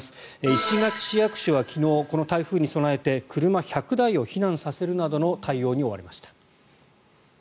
石垣市役所は昨日この台風に備えて車１００台を避難させるなどの対応に追われました。